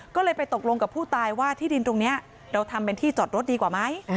ก็เลยไปตกลงกับผู้ตายว่าที่ดินตรงนี้เราทำเป็นที่จอดรถดีกว่าไหม